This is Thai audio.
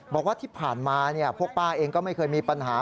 บอกว่าที่ผ่านมาพวกป้าเองก็ไม่เคยมีปัญหา